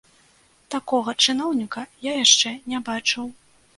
Такога чыноўніка я яшчэ не бачыў.